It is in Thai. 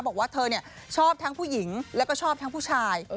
บอกว่าเธอชอบทั้งผู้หญิงแล้วก็ชอบทั้งผู้ชาย